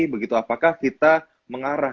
begitu apakah kita mengarah